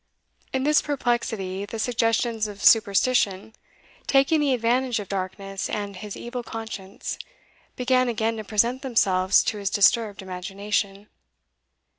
In this perplexity, the suggestions of superstition, taking the advantage of darkness and his evil conscience, began again to present themselves to his disturbed imagination.